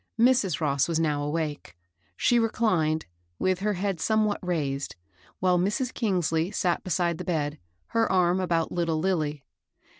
Mrs. Ross was now awake. She reclined, with her head somewhat raised, ' while Mrs. Kingsley sat beside the bed, her arm about little Lilly.